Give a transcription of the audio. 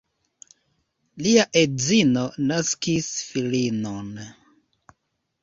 Lia edzino naskis filinon.